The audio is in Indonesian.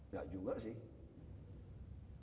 gak juga sih